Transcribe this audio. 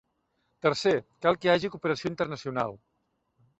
Tercer, cal que hi hagi cooperació internacional.